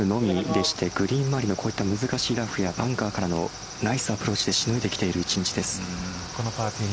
グリーン周りのこういった難しいラフやバンカーからのナイスアプローチでしのいできている１日です。